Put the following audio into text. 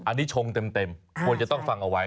อันนี้ชงเต็มควรจะต้องฟังเอาไว้